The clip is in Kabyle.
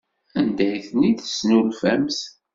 Anda ay ten-id-tesnulfamt?